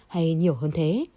hay nhiều hơn